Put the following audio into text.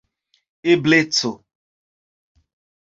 ebleco